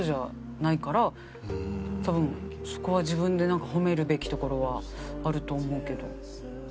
多分そこは自分でなんか褒めるべきところはあると思うけど。